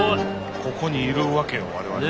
ここにいるわけや我々も。